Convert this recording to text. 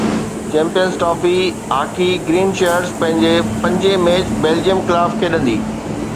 champions Trophy hockey green shirts پنهنجي پنجين match Belgium خلاف کيڏندي